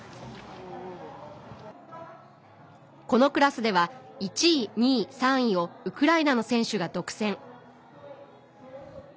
このクラスでは１位、２位、３位をウクライナの選手が独占。